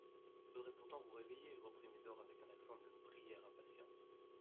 Faudrait pourtant vous réveiller, reprit Médor avec un accent de prière impatiente.